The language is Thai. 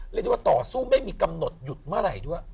เรียกได้ว่าต่อสู้ไม่มีกำหนดหยุดเมื่อไหร่ด้วย